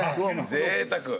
ぜいたく。